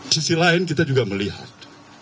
sisi lain kita juga melihat